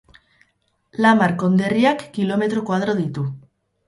Lamar konderriak kilometro koadro ditu.